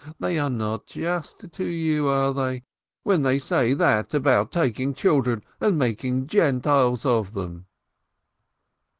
They are not just to you, are they, when they say that about taking children and making Gentiles of them?"